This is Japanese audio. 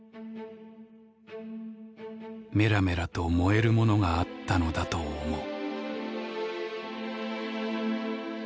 「メラメラと燃えるものがあったのだと思う」。